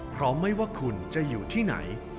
เพราะไม่ว่าคุณจะอยู่ที่ไหน